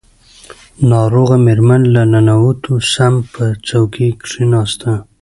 ناروغه مېرمن له ننوتو سم په څوکۍ کښېناسته.